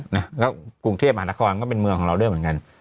แล้วกรุงเทพมหานครก็เป็นเมืองของเราด้วยเหมือนกัน